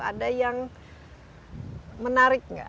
ada yang menarik nggak